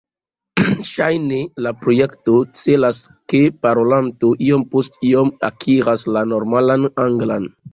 Ŝajne la projekto celas ke parolanto iom-post-iom akiras la normalan anglan.